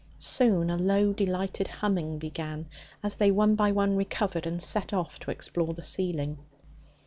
Soon a low delighted humming began as they one by one recovered and set off to explore the ceiling.